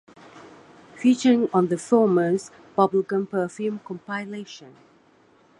Featuring on the former's "Bubblegum Perfume" compilation.